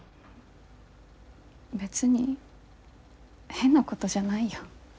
別に変なことじゃないよ。